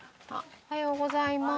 おはようございます。